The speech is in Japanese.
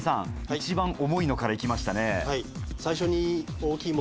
一番重いのから行きましたね。